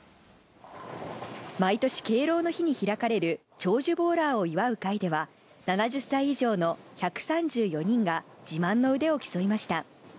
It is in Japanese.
毎年、敬老の日に開かれる長寿ボウラーを祝う会では、７０歳以上の１３４人が、自慢の腕を競いました。